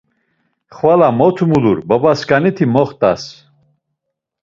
Xvala mot mulur, babaskaniti moxtas.